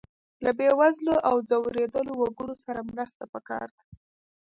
له بې وزلو او ځورېدلو وګړو سره مرسته پکار ده.